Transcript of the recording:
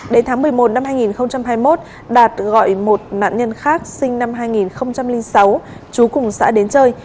đến tháng một mươi một năm hai nghìn hai mươi một đạt gọi một nạn nhân khác sinh năm hai nghìn sáu chú cùng xã đến chơi